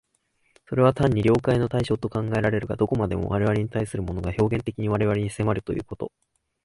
それは単に了解の対象と考えられるが、どこまでも我々に対するものが表現的に我々に迫るということ、